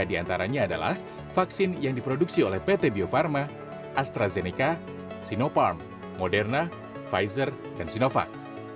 di antaranya adalah vaksin yang diproduksi oleh pt bio farma astrazeneca sinopharm moderna pfizer dan sinovac